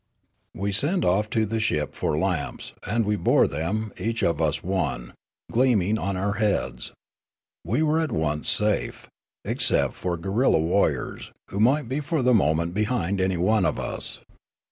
"We sent off to the ship for lamps, and we bore them, each of us one, gleaming on our heads. We were at once safe, except for guerilla warriors, who might be for the moment behind any one of us.